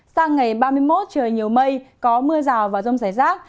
sang ngày ba mươi một trời nhiều mây có mưa rào và rông rải rác